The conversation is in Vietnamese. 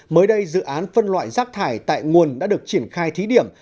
mới đây dự án phân loại rác thải tại nguồn đã được triển khai thí điểm